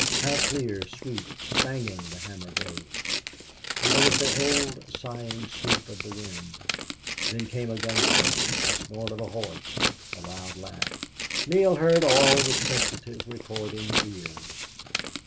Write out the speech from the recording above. How clear, sweet, spanging the hammer blows! And there was the old sighing sweep of the wind. Then came a gun shot, the snort of a horse, a loud laugh. Neale heard all with sensitive, recording ears.